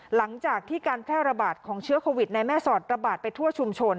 หลังจากที่การแพร่ระบาดของเชื้อโควิดในแม่สอดระบาดไปทั่วชุมชน